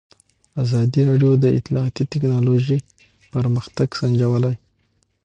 ازادي راډیو د اطلاعاتی تکنالوژي پرمختګ سنجولی.